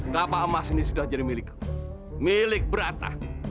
kapa emas ini sudah jadi milik milik beratah